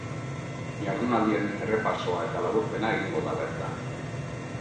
Jardunaldiaren errepasoa eta laburpena egingo da bertan.